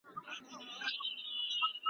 استاد وویل چي وخت هیڅکله بېرته نه راګرځي.